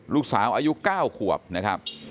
ลูกสาวอายุ๙ขวบนะครับ